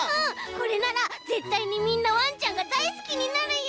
これならぜったいにみんなわんちゃんがだいすきになるよ。